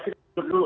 kita tutup dulu